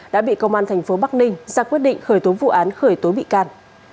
đã bị công an thành phố bắc ninh ra quyết định khởi tố vụ án khởi tố bị can